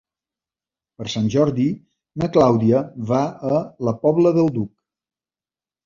Per Sant Jordi na Clàudia va a la Pobla del Duc.